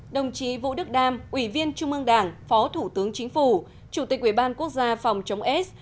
đồng chí vũ đức đam ủy viên trung ương đảng phó thủ tướng chính phủ chủ tịch ủy ban quốc gia phòng chống s